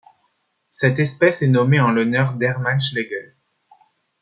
Cette espèce est nommée en l'honneur d'Hermann Schlegel.